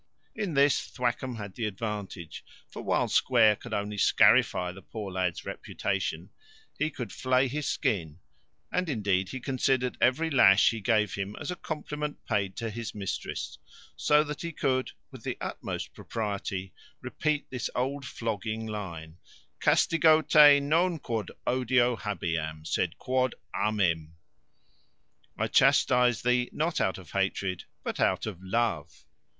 In this Thwackum had the advantage; for while Square could only scarify the poor lad's reputation, he could flea his skin; and, indeed, he considered every lash he gave him as a compliment paid to his mistress; so that he could, with the utmost propriety, repeat this old flogging line, "Castigo te non quod odio habeam, sed quod AMEM. I chastise thee not out of hatred, but out of love."